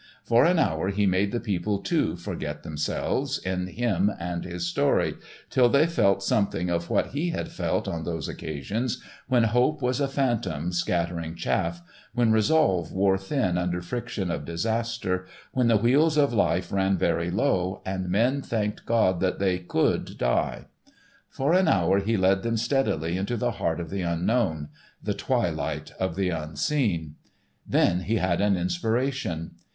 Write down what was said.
For an hour he made the people too, forget themselves in him and his story, till they felt something of what he had felt on those occasions when Hope was a phantom scattering chaff, when Resolve wore thin under friction of disaster, when the wheels of Life ran very low and men thanked God that they could die. For an hour he led them steadily into the heart of the unknown: the twilight of the unseen. Then he had an inspiration.